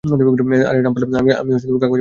আরে রামপাল, আমি কাগজে মরে গেছি।